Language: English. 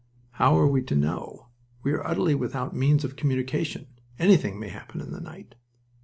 "How are we to know? We are utterly without means of communication. Anything may happen in the night."